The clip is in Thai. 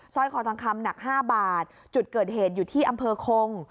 ร้อยคอทองคำหนัก๕บาทจุดเกิดเหตุอยู่ที่อำเภอคง